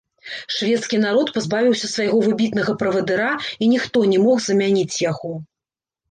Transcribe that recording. Шведскі народ пазбавіўся свайго выбітнага правадыра, і ніхто не мог замяніць яго.